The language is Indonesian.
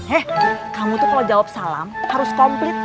eh kamu tuh kalau jawab salam harus komplit